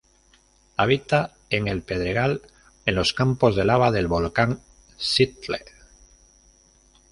Habita en El Pedregal en los campos de lava del volcán Xitle.